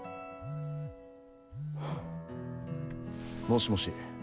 もしもし。